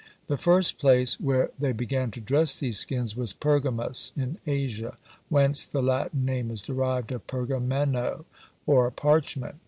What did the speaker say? The first place where they began to dress these skins was Pergamus, in Asia; whence the Latin name is derived of Pergamenoe or parchment.